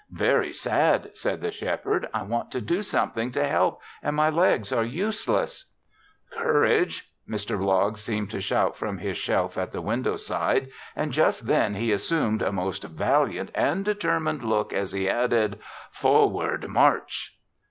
"Very sad," said the Shepherd. "I want to do something to help and my legs are useless." "Courage!" Mr. Bloggs seemed to shout from his shelf at the window side and just then he assumed a most valiant and determined look as he added: "Forward! march!"